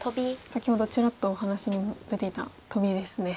先ほどちらっとお話にも出ていたトビですね。